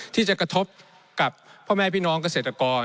ที่จะกระทบกับพ่อแม่พี่น้องเกษตรกร